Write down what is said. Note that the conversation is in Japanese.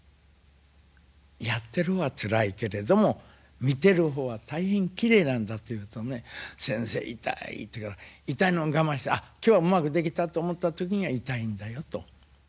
「やってる方はつらいけれども見てる方は大変きれいなんだ」と言うとね「先生痛い」と言うから「痛いのを我慢してあっ今日はうまくできたと思った時には痛いんだよ」と。